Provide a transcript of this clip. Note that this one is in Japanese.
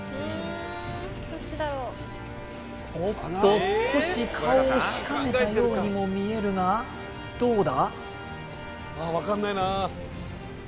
おっと少し顔をしかめたようにも見えるがどうだ？